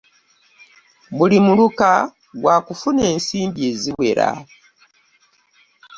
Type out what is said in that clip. Buli muluka gwa kufuna ensimbi eziwera.